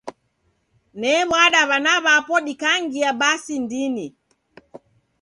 Ne'wada w'ana w'apo dikangia basi ndini.